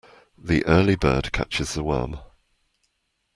The early bird catches the worm.